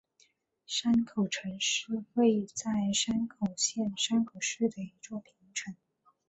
山口城是位在山口县山口市的一座平城。